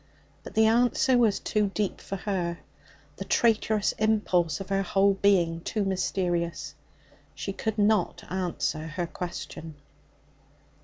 But the answer was too deep for her, the traitorous impulse of her whole being too mysterious. She could not answer her question.